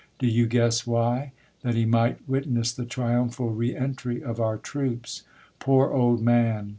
Do you guess why? That he might witness the triumphal re entry of our troops. Poor old man